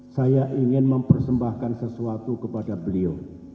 saya ingin mempersembahkan sesuatu kepada beliau